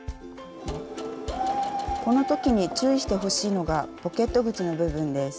この時に注意してほしいのがポケット口の部分です。